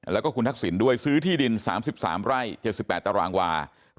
แล้วก็คุณทักษิณด้วยซื้อที่ดิน๓๓ไร่๗๘ตารางวา